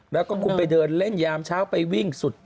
แล้วก็คุณไปเดินเล่นยามเช้าไปวิ่งสุด